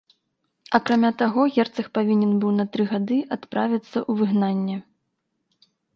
Акрамя таго, герцаг павінен быў на тры гады адправіцца ў выгнанне.